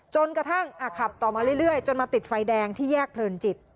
กระทั่งขับต่อมาเรื่อยจนมาติดไฟแดงที่แยกเพลินจิต